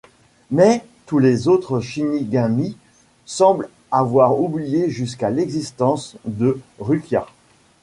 Mais tous les autres Shinigami semblent avoir oublié jusqu'à l'existence de Rukia.